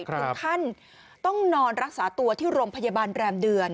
ถึงขั้นต้องนอนรักษาตัวที่โรงพยาบาลแรมเดือน